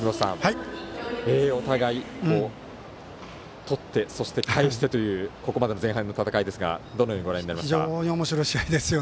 お互いとってそして返してというここまでの前半の戦いですがどのようにご覧になっていますか。